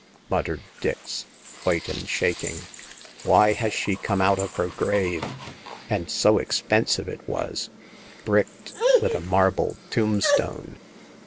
muttered Dix, white and shaking. " Why has she come out of her grave ?— and so expensive it was ; bricked ; with a marble tombstone."